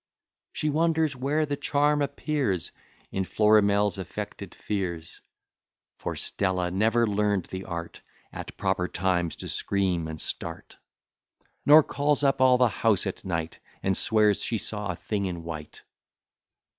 She wonders where the charm appears In Florimel's affected fears; For Stella never learn'd the art At proper times to scream and start; Nor calls up all the house at night, And swears she saw a thing in white.